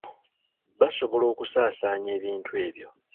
Basobola okusaasaanya ebintu ebyo